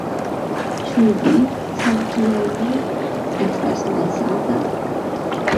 Ĉu vi samkiel mi estas malsata?